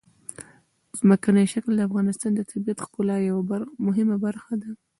ځمکنی شکل د افغانستان د طبیعت د ښکلا یوه مهمه برخه ده.